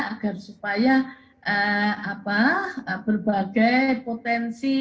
agar supaya berbagai potensi